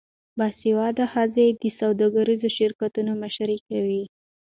باسواده ښځې د سوداګریزو شرکتونو مشري کوي.